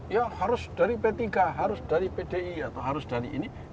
ya harus dari p tiga harus dari pdi atau harus dari ini